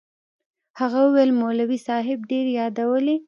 هغه وويل مولوي صاحب ډېر يادولې.